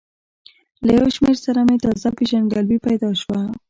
له یو شمېر سره مې تازه پېژندګلوي پیدا شوه.